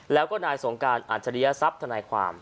แล้วก็นายสงการอาจริยสับทนายความ